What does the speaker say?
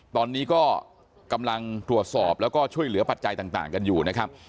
ตอนนี้ก็กำลังตรวจสอบแล้วก็ช่วยเหลือปัจจัยต่างกันอยู่นะครับ